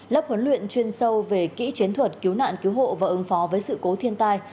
lớp huấn luyện chuyên sâu về kỹ chiến thuật cứu nạn cứu hộ và ứng phó với sự cố thiên tai